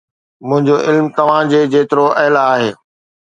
منهنجو علم توهان جي جيترو اعليٰ آهي